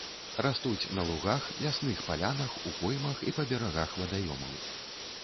Растуць на лугах, лясных палянах, у поймах і па берагах вадаёмаў.